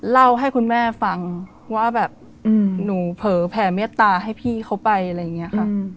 เล่าให้คุณแม่ฟังว่าแบบหนูเผลอแผ่เมตตาให้พี่เขาไปอะไรอย่างนี้ค่ะ